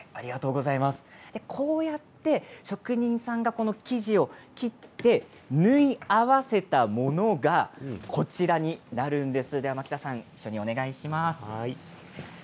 こうやって職人さんが生地を切って縫い合わせたものがこちらになります。